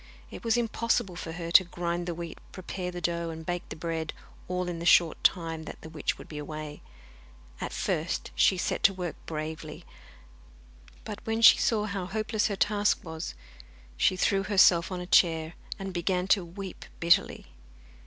It was impossible for her to grind the wheat, prepare the dough, and bake the bread, all in the short time that the witch would be away. At first she set to work bravely, but when she saw how hopeless her task was, she threw herself on a chair, and began to weep bitterly.